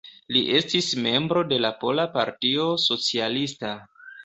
Li estis membro de la Pola Partio Socialista.